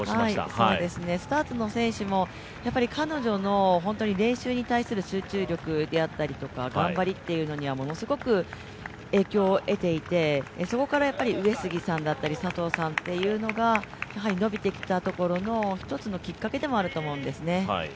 スターツの選手もやっぱり彼女の練習に対する集中力であったり、頑張りっていうものにはものすごく影響を得ていて、そこから佐藤さんたちがやはり伸びてきたところの１つのきっかけだと思うんですね。